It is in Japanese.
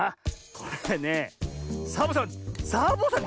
これねサボさんサボさん